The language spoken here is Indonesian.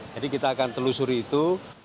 jadi kita akan telusuri itu